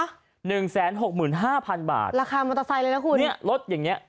หนึ่งแสนหกหมื่นห้าพันบาทราคามอเตอร์ไซค์เลยนะคุณเนี้ยรถอย่างเงี้